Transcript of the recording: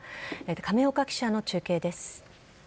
亀岡記者の中継です。